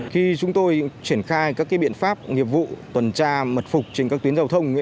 khi chúng tôi triển khai các biện pháp nghiệp vụ tuần tra mật phục trên các tuyến giao thông